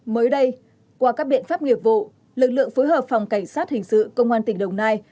mới đây qua các biện pháp nghiệp vụ lực lượng phối hợp phòng cảnh sát hình sự công an tỉnh đồng nai